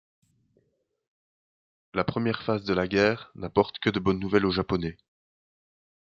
La première phase de la guerre n'apporte que de bonnes nouvelles aux Japonais.